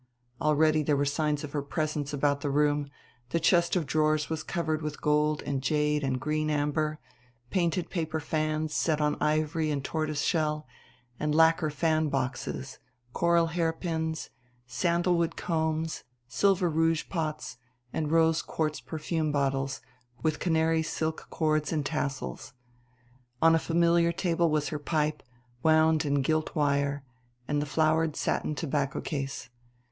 Already there were signs of her presence about the room: the chest of drawers was covered with gold and jade and green amber, painted paper fans set on ivory and tortoise shell, and lacquer fan boxes; coral hairpins, sandalwood combs, silver rouge pots and rose quartz perfume bottles with canary silk cords and tassels. On a familiar table was her pipe, wound in gilt wire, and the flowered satin tobacco case.